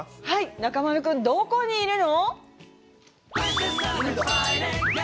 中丸君、どこにいるの！？